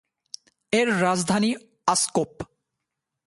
এর রাজধানী আসকোপ।